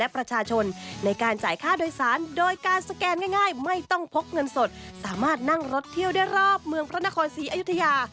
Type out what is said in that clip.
บ้านนั่งรถเที่ยวได้รอบเมืองพระนครศรีอยุธยา